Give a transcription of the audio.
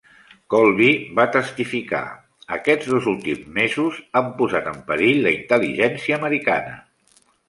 Colby va testificar, "Aquests dos últims mesos han posat en perill la intel·ligència americana".